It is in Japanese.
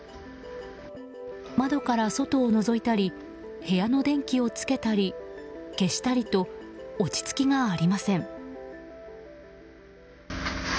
窓から外をのぞいたら部屋の電気をつけたり消したりと落ち着きがありません。